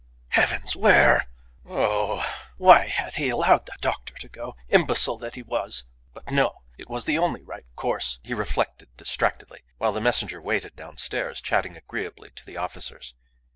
Heavens! Where? Oh! why had he allowed that doctor to go! Imbecile that he was. But no! It was the only right course, he reflected distractedly, while the messenger waited downstairs chatting agreeably to the officers.